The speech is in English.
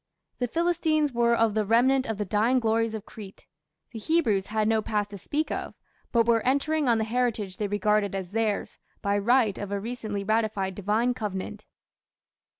The Philistines were of the remnant of the dying glories of Crete; the Hebrews had no past to speak of, but were entering on the heritage they regarded as theirs, by right of a recently ratified divine covenant."